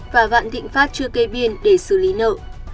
và vạn thịnh pháp chưa kê biên để xử lý nợ